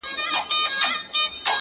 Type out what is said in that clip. • تور قسمت په تا آرام نه دی لیدلی -